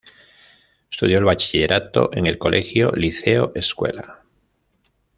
Estudió el bachillerato en el colegio Liceo Escuela.